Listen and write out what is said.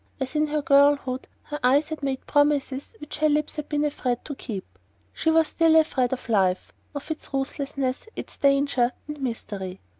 As in her girlhood, her eyes had made promises which her lips were afraid to keep. She was still afraid of life, of its ruthlessness, its danger and mystery.